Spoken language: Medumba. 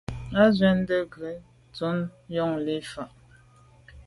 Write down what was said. Á swɛ̌n ndwə́ rə̂ ŋgə́tú’ nyɔ̌ŋ lí’ fá.